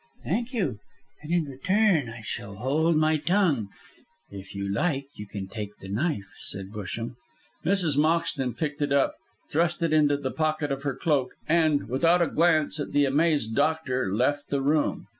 "Thank you; and in return I will hold my tongue. If you like you can take the knife," said Busham. Mrs. Moxton picked it up, thrust it into the pocket of her cloak, and, without a glance at the amazed doctor, left the room.